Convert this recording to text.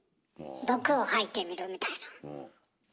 毒を吐いてみるみたいな。